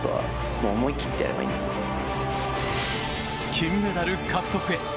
金メダル獲得へ。